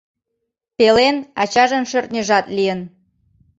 Пелен ачажын шӧртньыжат лийын.